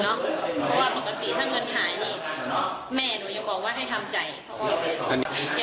เพราะว่าปกติถ้าเงินหายนี่แม่หนูยังบอกว่าให้ทำใจ